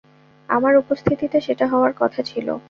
আমার উপস্থিতিতে সেটা হওয়ার কথা ছিল।